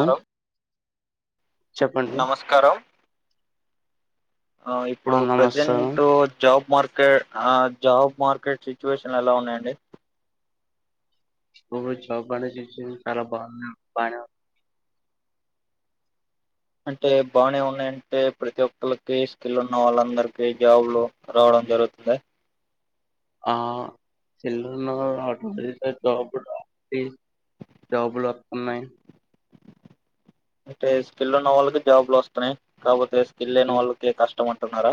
Hello చెప్పండి నమస్కారం ఆ ఇప్పుడు ప్రజెంట్ జాబ్ మార్ కే ఆ జాబ్ మార్కెట్ సిచ్యువేషన్ ఎలా ఉన్నాయండి ఓకే జాబ్ మార్కెట్ సిచువేషన్ చాలా బావుంది బాగానే ఉన్ అంటే బానే ఉన్నాయంటే ప్రతి ఒక్కళ్ళకి స్కిల్ ఉన్న వాళ్ళందరికీ జాబ్లు రావడం జరుగుతుందా ఆ సిల్లన్నదో ఆ two three side job [inaudible] peel జాబులొత్తున్నాయి అంటే స్కిల్ ఉన్న వాళ్ళకి జాబ్లు వస్తున్నాయి కాకపోతే స్కిల్ లేనివాళ్ళకి కష్టమన్ టున్నారా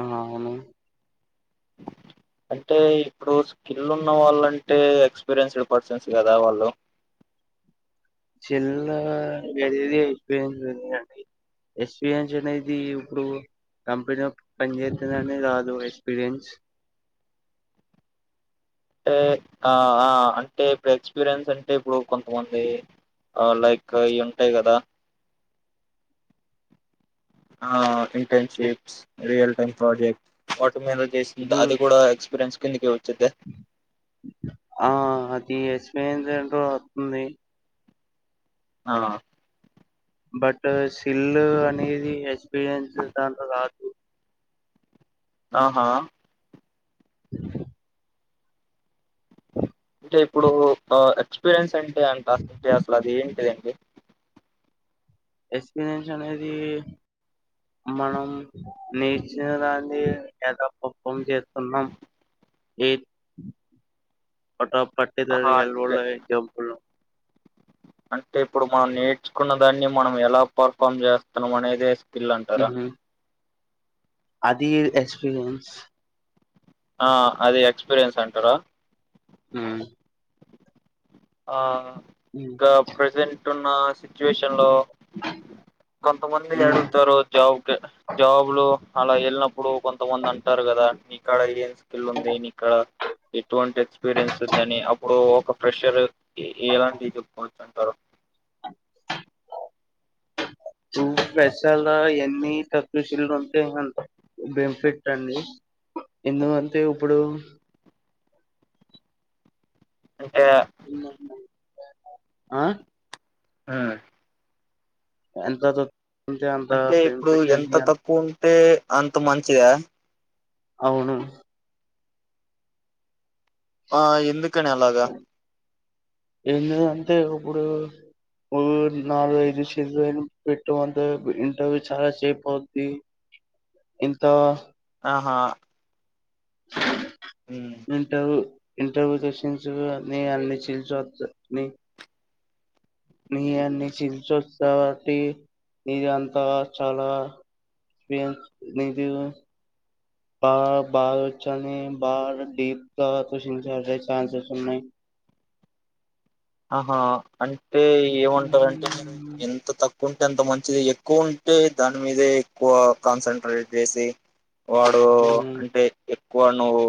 అ అవును అంటే ఇప్పుడు స్కిల్ ఉన్న వాళ్ళంటే ఎక్స్పీరియన్స్డ్ పర్సన్స్ కదా వాళ్ళు [unintelligible] ఎక్స్పీరియన్స్ అనేది ఇప్పుడు కంపెనీలో పని చేస్తుందనే రాదు ఎక్స్పీరియన్స్ టే ఆ ఆ అంటే ఇప్పుడు ఎక్స్పీరియన్స్ అంటే ఇప్పుడు కొంతమంది లైక్ ఇవి ఉంటాయి కదా ఆ [inaudible] టర్న్షిప్స్ రియల్ టెన్ ప్రోజెక్ [inaudible] [inaudible] మీద చేసింది ఇప్పుడు అది కూడా ఎక్స్పీరియన్స్ కిందుకే [inaudible] ఆ అద్ ది ఎక్స్పీరియన్స్ ఏంటో వత్తుంది [unintelligible] బట్ సిల్ అనేది ఎక్స్బీరియన్స్ దాంట్లో రాదు ఆహా అంటే ఇప్పుడు ఆ ఎక్స్పీరియన్స్ అన్ [unintelligible] అసలు అది ఏంటిది ఎక్స్పీరియన్షన్ అనేది మనం మ్ నేచర్ అందీ గెటప్ ఉప్పం చేస్తున్నాం. ఏం పఠం పట్టే ఆహా దాదియాల్ అంటే రోల్డ్ [unintelligible] అంటే ఇప్పుడు మనం నేర్చుకున్న దాన్ని మనం ఎలా పర్ఫామ్ చేస్తున్నాం. అనేదేస్ స్కిల్ అంటారా? మ్మ్. అది ఎక్స్పిరియెన్స్ ఆ అది ఎక్స్పీరియన్స్ అంటారా? హ్మ్ ఆ మ్మ్. ఇంకా ప్రజెంట్ ఇప్పుడున్న సిచువేషన్ లో కొంతమంది మ్మ్. అడుగుతారు. జాబ్ కి జాబ్ లో అలా వెళ్ళినప్పు ఇప్పుడు కొంతమంది అంటారు కదా నీకాడ ఏం స్కిల్ ఉంది. నీకడా ఎటువంటి ఎక్స్పీరియన్స్ ఉంది. అని అప్పుడు ఒక ఫ్రెషర్ ఏ ఎలాంటివి చెప్పుకోవచ్చు అంటారు. నువ్ ఫ్రెషర్ ఎన్ని తక్కువస్కిల్ ఉంటే అంత బెనిఫిట్ అండి ఎందుకంటే ఇప్పుడు అంటే ఇన్నక్ [unintelligible] ఆ ఆ ఎంత తక్ అంటే ఇప్పుడు ఎంత తక్కువ ఉన్ తే అంత మంచిదా అవును ఆ ఎందుక్ క్కనేలాగా అంటే ఇప్పుడు ఓరి నాలుగు ఐదు [unintelligible] పెట్టు అంటే ఇంటర్ చాలా చేప్ అవుద్ది ఇంత ఆహా ఇంటరు ఇంటర్వ్యూ సెక్షన్స్ నీ అన్ని స్క్రీన్షాట్స్ నీ అన్ని [unintelligible] కావట్టి నీది అంతా చాలా ఎపిరీయన్స్ నీది బా బాగా వచ్చని బాగా డీప్గాక్యూస్షన్స్ అడిగే ఛాన్సెస్ ఉన్నాయి. ఆహా అన్ అయితే ఏమంటారంటే మీరు ఉమ్ ఎంత తక్కువ కుంట్ ఎంత మంచిది ఎక్కువ ఉంటే దాని మీదే ఎక్కువ కాన్సన్ట్రేట్ జేసి వాడు అంటే ఏ క్వాల్ నువ్వు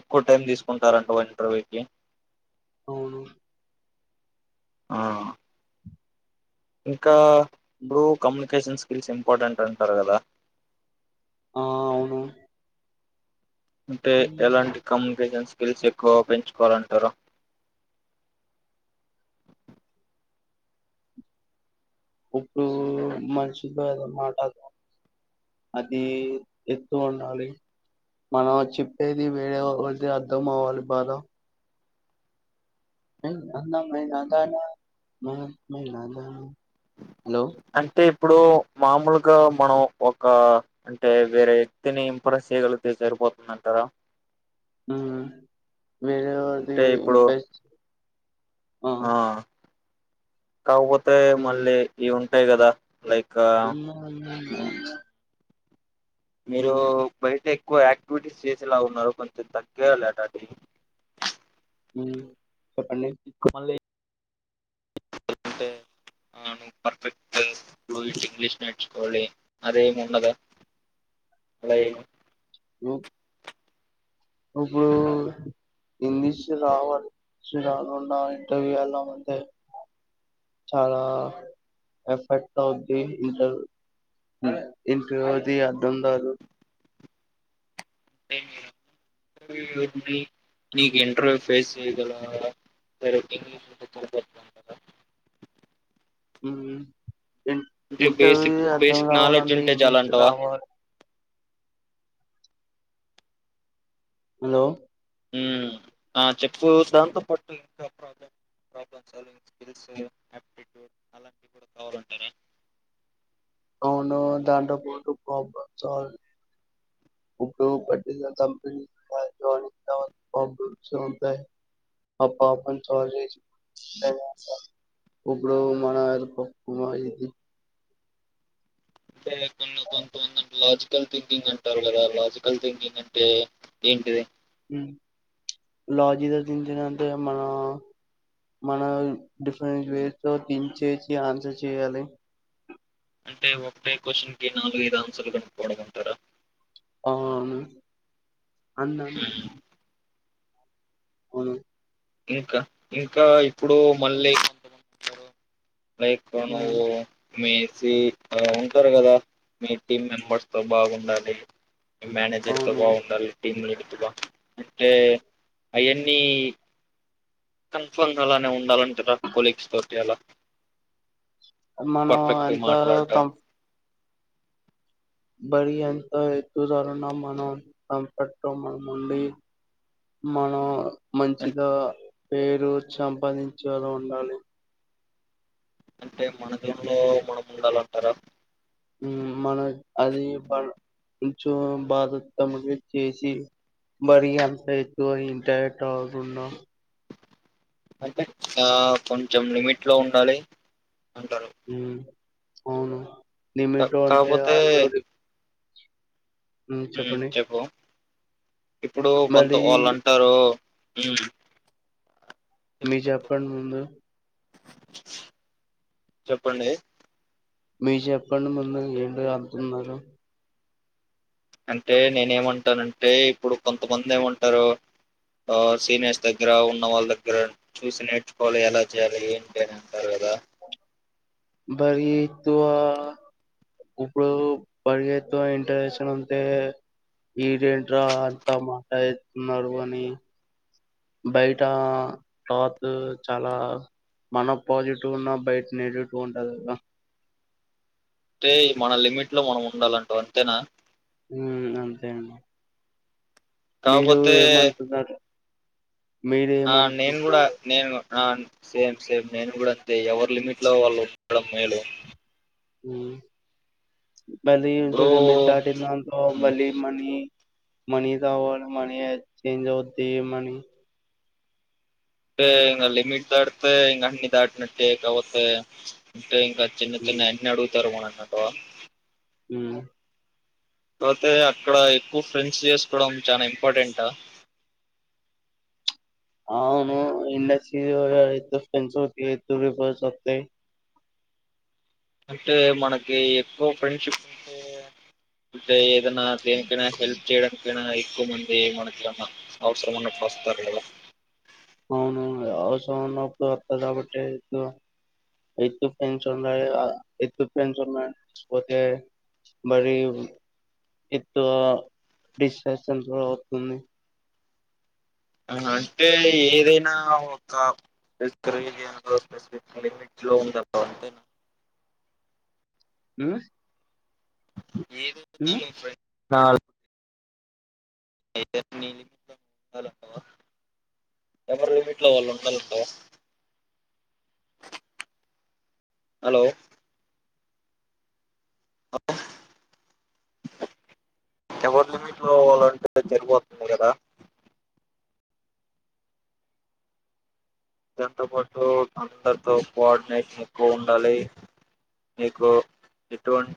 ఎక్కువ టైం తీసుకుంటారంటవ్ ఇంటర్వ్యూ కి అవును ఆ ఇంకా ప్పుడూ కమనే కేషన్ స్కిల్స్ ఇంపార్టెంట్ అంటారు. కదా ఆ అవును అంటే మ్మ్. ఎలాంటి కమ్యూనికేషన్స్ కిల్ల్స్ ఎక్కువ పెంచుకోవాలంటరు. ఊప్పుడు మనుషుల్తో ఎలా అట్లాడుతాం. అది ఎత్తు ఉండాలి. మనం చెప్పేది వేరేవాళ్లకి అర్థం అవ్వాలి బాధ ఎన్ అందమైన దానా మామ్ మైనదాన అంటేప్ ఇప్పుడు మామూలుగా, మనం ఒక అంటే వేరే వ్యక్తిని ఇంప్రెస్ చేయగలిగితే సరిపోతుందంటారా. హు వేరేవర్ది అంటే ఇప్పుడు ఇంపేస్ట్ ఆ కావోతే మళ్ళీ ఇవ్వున్ హే కదా లైఫ్ రూమన్నన్నా మీరు బైటే ఎక్కువ యాక్టివిటీస్ చేసేలా ఉన్నారు. కొంచెం తగియాలి అటట్టి ఉహు ఇక్కు మళ్ళే అంటే ఆ నువ్వు పర్ఫెక్ట్ బ్లుయిట్ ఇంగ్లీష్ నేర్చుకోవాలి. అదేముండదా అలా ఏమి ఓక్ ఉప్పుడు ఇంగ్లీష్ రావాలి. రాకుండా ఇంటర్వ్యూ అలా అంటే చాలా ఎఫెక్ట్ అవుది. ఇంటర్వ్ ఇంటర్వ్యూ అది అద్ధంరాదు ఏందిరా ఇంటర్వ్యూ ఉంది. మీకు ఇంటర్వ్యూ ఫేస్ చెయగలా directing [inaudible] huh in basic interview అర్థం బేసిక్ నాలెడ్జ్ కావాలంటే ఉంటే ఇన్విస్ట్ చాలంటావా రావాలి. హలో ఉహ్ ఆ చెప్పు అవును దంట్లోపోటు ప్రాబ్లెమ్ సాల్వ్ [inaudible] ఉప్పుడు పట్టిలా తాపీనీ పై గానీ [inaudible] ఆ పాపన్ సాల్ఫ్ జేసి అంతేగాని ఇప్పుడు మన పప్పుమా ఇది గిప్ అంటే కొంన్ కొంతమంది లాజికల్ థింకింగ్ అంటారు కదా. లాజికల్ థింకింగ్ అంటే ఏంటిది? హు లాజీదో తీన్సిదో అంటే మన మన డిఫరెంట్ వేస్ తో తించేసి ఆన్సర్ చేయాలి. అంటే ఒకటే క్వశ్చన్ కి నాలుగైదు ఆన్సర్లు బెటకోవడమంటారా ఆ అవును అందద్ అమ్మే హ్మ్. హోను ఇంక ఇంకా ఇప్పుడు మళ్ళీ లైక్ ఉమ్ నువ్వు మేసి ఉంటరు కదా మీ టీమ్ మెంబర్స్ తో బాగుండాలి. మేనేజర్ తో అవును బాగుండాలి టీమ్ లీడ్ అంటే అయన్నీ కన్ఫర్మ్ అలానే ఉండాలంటారా కోలీగ్స్ తోటి అలా మనం పర్ఫెక్ట్‌గా ఎంత మాట్లాడడం. కం బరి ఎంత ఎత్తుదరన్నా మనం కంపట్ మం ఉండి మనం అన్ మంచిద పేరు సంపాదించేలా ఉండాలి అంటే మన దూలో మన ఉండాల అంటారా ఉం మనం అది కొంచెం బాధతగా చేసి మరి అంత ఎక్కువ ఇంటర్ట్ అవ్వకుండా అంటే కొంచెం లిమిట్ లో ఉండాలి అంటారు. ఊ అవును క నిమిట్ అంటే కాపోతే ఆల్ దోరీ ఉ హ్మ్. చెప్పండి చెప్పు? ఇప్పుడు కొంత మళ్ళీ వాళ్ళు అంటారు ఊ మీ చెప్పండి ముందు చెప్పండి మీ చెప్పండి ముందు ఏంటి అపుతున్నారు. అంటే నేనే ఏమంటానంటే, ఇప్పుడు కొంతమంది ఏమంటారు. ఆ సీనియర్స్ దగ్గర ఉన్న వాళ్ళ దగ్గర చూసి నేర్చుకోవాలి. ఎలా చేయాలి ఏంటి, అని అంటారు కదా. బరి ఎత్తు ఇప్పుడు బరిగ ఎత్తు ఇంట్రెషన్ ఉంటే ఈడేంట్రా అంతా మాట్లాడతున్నారు అని బయట రాద్దు చాలా మన పాజిటివ్ ఉన్నా బయట నెగిటివ్ ఉంటది కద అంటే మన లిమిట్ లో మనం ఉండాలంటావ్ అంతేనా ఉ అంతే అండి మీరు కాకపోతే ఏమంతున్నారు ఆ నేను కూడా నేను ఆ సేమ్ సేమ్ నేను కూడా అంతే ఎవరు లిమిట్ లో వాళ్ళుండడం మేలు ఉ మరి ఇప్పుడు లిమిట్ దాటిందంతో మళ్ళి మనీ మనీ కావాల మనీ ఎక్చేంజ్ అవుద్ది మనీ అంటే ఇంగ లిమిట్ దాటితే ఇంకా అన్ని దాటినట్టే టుక్ అవుతాయ టే ఇంకా చిన్న ఉమ్ చిన్న అన్ని అడుగుతారు మన అంటవ హ్మ్ ఉ పోతే అక్కడ ఎక్కువ ఫ్రెండ్స్ చేసుకోవడం చాలనా ఇంపార్టెంంటా అవును ఇండస్ట్రీ ఫ్రెంస్ రూపస్ వస్తతే అంటే మనకి ఎక్కువ ఫ్రెండ్షిప్ ఉంటే అంటే ఏదన్నా దేనికైనా హెల్ప్ చేయడంనికి ఎక్కువ మంది మనదమా అవసరమన్న వస్తారు అవును అవసరం ఉన్నప్పుడు వస్తంది కాబట్టి ఎ ఎత్తు పెన్స్ ఉన్నాయి ఎత్తు పెన్స్ ఉన్నా పోతే మరి ఎతుడిశ అతుంది అంటే ఏదై ఒకపక్ ట్ లో ఉంది అంటే ఉ ఏది ఉ ఉన్న ఫై ఆ ట్ లో ఉండాలంటావా ఎవరి లిమిట్ లో వాళ్ళు ఉండాలంటావా హలో ఎవరి లిమిట్ లో అవాలంటే జరిపోతుంది కదా దంతో పాటు అందరితో కోఆర్డినేట్ ఎక్కువ ఉండాలి మీకు ఎటువం